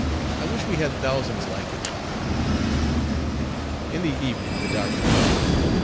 I wish we had thousands like him." In the evening the doctor called.